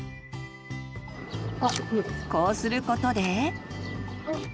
こうすることで。